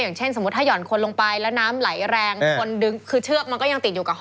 อย่างเช่นสมมุติถ้าห่อนคนลงไปแล้วน้ำไหลแรงคนดึงคือเชือกมันก็ยังติดอยู่กับห